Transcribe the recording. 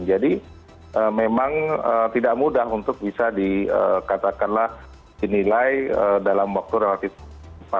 jadi memang tidak mudah untuk bisa dikatakanlah dinilai dalam waktu relatif